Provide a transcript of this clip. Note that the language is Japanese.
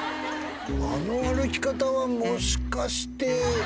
あの歩き方はもしかして。